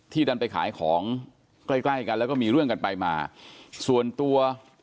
ดันไปขายของใกล้ใกล้กันแล้วก็มีเรื่องกันไปมาส่วนตัว